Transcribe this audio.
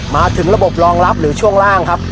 มาถึงระบบรองรับหรือช่วงล่างครับ